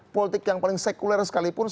politik yang paling sekuler sekalipun